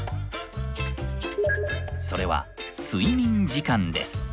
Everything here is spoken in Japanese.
それは「睡眠時間」です。